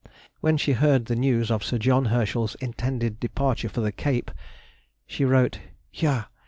When she heard the news of Sir John Herschel's intended departure for the Cape, she wrote, "Ja!